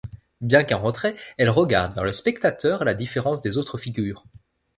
Bien qu'en retrait, elle regarde vers le spectateur à la différence des autres figures.